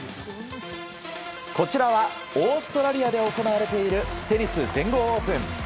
こちらはオーストラリアで行われているテニス、全豪オープン。